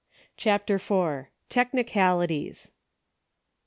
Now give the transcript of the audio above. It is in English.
CHAPTEB V. TECHNICALITIES.